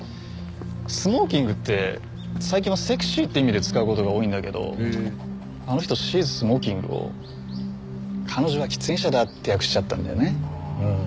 「ｓｍｏｋｉｎｇ」って最近はセクシーって意味で使う事が多いんだけどあの人「Ｓｈｅｉｓｓｍｏｋｉｎｇ」を「彼女は喫煙者だ」って訳しちゃったんだよね。